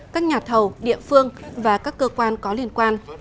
các nhà thầu địa phương và các cơ quan có liên quan